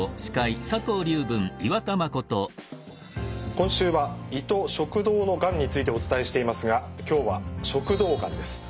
今週は胃と食道のがんについてお伝えしていますが今日は食道がんです。